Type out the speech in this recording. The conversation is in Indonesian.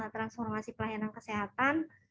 transformasi pelayanan kesehatan